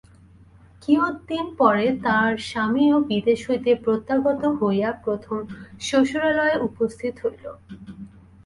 কিয়ৎ দিন পরে তাহার স্বামীও বিদেশ হইতে প্রত্যাগত হইয়া প্রথমত শ্বশুরালয়ে উপস্থিত হইল।